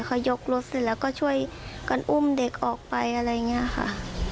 เขายกรถเสร็จแล้วก็ช่วยกันอุ้มเด็กออกไปอะไรอย่างนี้ค่ะ